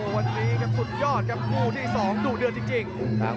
พาท่านผู้ชมกลับติดตามความมันกันต่อครับ